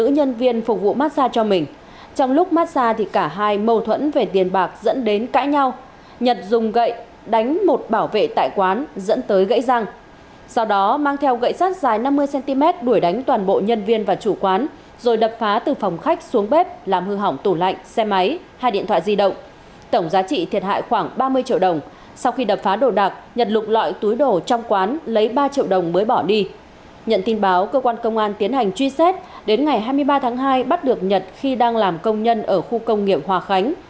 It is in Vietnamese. nhận tin báo cơ quan công an tiến hành truy xét đến ngày hai mươi ba tháng hai bắt được nhật khi đang làm công nhân ở khu công nghiệm hòa khánh